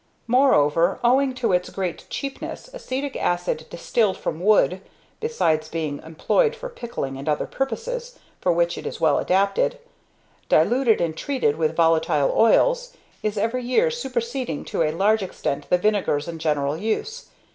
Moreover, owing to its great cheapness, acetic acid distilled from wood (besides being employed for pickling and other purposes, for which it is well adapted), diluted and treated with volatile oils, is every year superseding to a larger extent the vinegars in general use.